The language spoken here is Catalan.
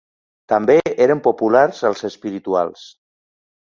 També eren populars els espirituals.